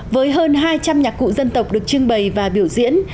với hơn hai trăm linh nhạc cụ dân tộc được trưng bày và biểu diễn